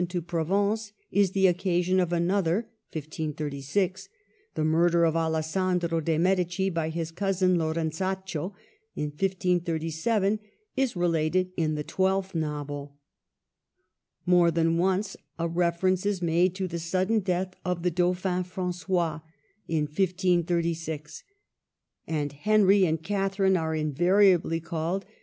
into Provence is the occasion of another (1536); the murder of Alessandro dei Medici by his cousin Loren zaccio ( 1537) is related in the twelfth novel ; more than once a reference is made to the sudden death of the Dauphin Francois in 1536; and Henry and Catherine are invariably called M.